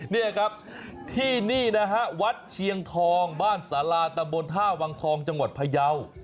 นี่ครับที่นี่นะฮะวัดเชียงทองบ้านสาราตำบลท่าวังทองจังหวัดพยาว